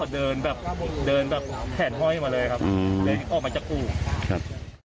เดินแทนห้อยมาเลยครับ